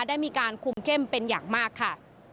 ได้มีการคุมเข้มเป็นอย่างมากค่ะ